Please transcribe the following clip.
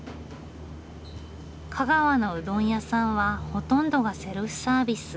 香川のうどん屋さんはほとんどがセルフサービス。